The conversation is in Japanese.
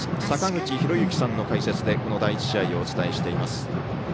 坂口裕之さんの解説で第１試合をお伝えしています。